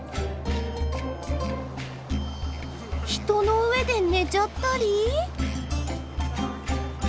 人の上で寝ちゃったり？